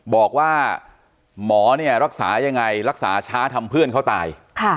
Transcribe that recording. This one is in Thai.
บอกว่าหมอเนี่ยรักษายังไงรักษาช้าทำเพื่อนเขาตาย